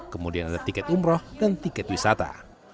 kemudian ada tiket umroh dan tiket wisata